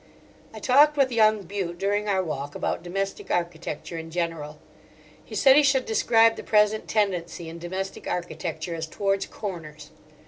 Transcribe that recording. I talked with young Bute during our walk about domestic architecture in general. He said he should describe the present tendency in domestic architecture as towards corners.